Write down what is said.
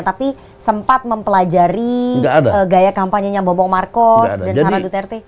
tapi sempat mempelajari gaya kampanye nya bobo markos dan sarah duterte